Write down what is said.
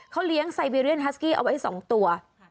เขาเลี้ยงไซบีเรียนฮัสกี้เอาไว้๒ตัว